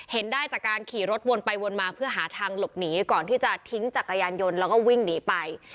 ได้จากการขี่รถวนไปวนมาเพื่อหาทางหลบหนีก่อนที่จะทิ้งจักรยานยนต์แล้วก็วิ่งหนีไป